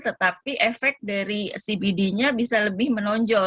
tetapi efek dari cbd nya bisa lebih menonjol